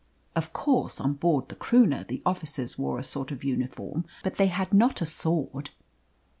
Of course, on board the Croonah the officers wore a sort of uniform, but they had not a sword."